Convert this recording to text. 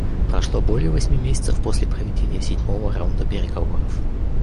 Прошло более восьми месяцев после проведения седьмого раунда переговоров.